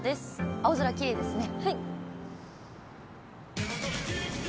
青空、きれいですね。